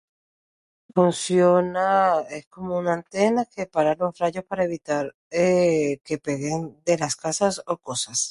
... funciona... es como una antena que es para los rayos para evitar...eh... que peguen de las casas o cosas.